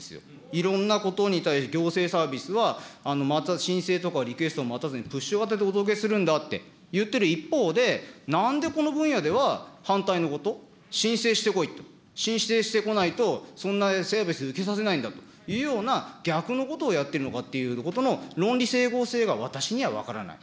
いろんなことに対して、行政サービスは申請とかリクエストを待たずにプッシュ型でお届けするんだって言ってた一方で、なんでこの分野では反対のこと、申請してこいって、申請してこないと、そんなサービス受けさせないんだというような、逆のことをやってるのかということの論理整合性が私には分からない。